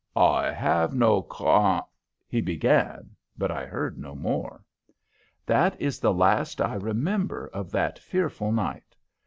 "I have no con " he began; but I heard no more. That is the last I remember of that fearful night.